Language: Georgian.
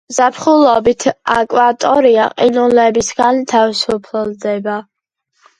ზაფხულობით აკვატორია ყინულებისაგან თავისუფლდება.